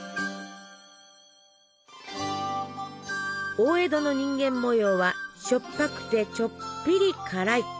大江戸の人間模様はしょっぱくてちょっぴり辛い。